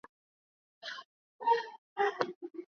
Dbeibah ambaye amekataa kukabidhi madaraka kwa Fathi Bashagha.